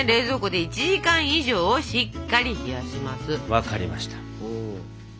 分かりました！